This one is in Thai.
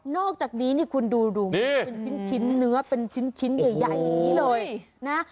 อกจากนี้นี่คุณดูเป็นชิ้นเนื้อเป็นชิ้นใหญ่อย่างนี้เลยนะ